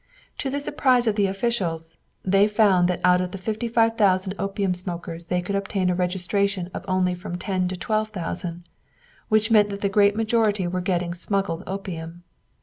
To the surprise of the officials, they found that out of the fifty five thousand opium smokers they could obtain a registration of only from ten to twelve thousand, which meant that the great majority were getting smuggled opium.